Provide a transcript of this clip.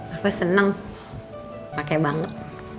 aku senang pakai banget